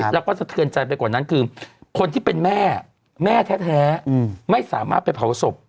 แล้วก็สะเทือนใจไปกว่านั้นคือคนที่เป็นแม่แม่แท้ไม่สามารถไปเผาศพ